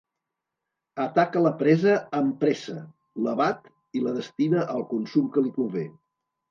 Ataca la presa amb pressa, l'abat i la destina al consum que li convé.